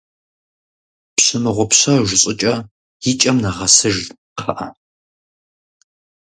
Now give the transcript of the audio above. Пщымыгъупщэж щӀыкӀэ, и кӀэм нэгъэсыж, кхъыӀэ.